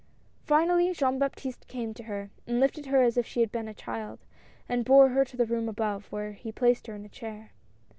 Finally J ean Baptiste came to her, and lifted her as if she had been a child, and bore her to the room above where he placed her in a chair.